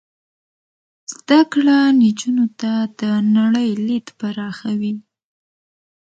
زده کړه نجونو ته د نړۍ لید پراخوي.